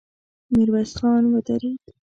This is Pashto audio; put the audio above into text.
ميرويس خان ودرېد.